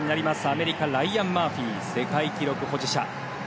アメリカ、ライアン・マーフィー世界記録保持者。